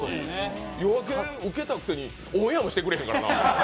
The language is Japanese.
「夜明け」受けたくせに、オンエアもしてくれませんから。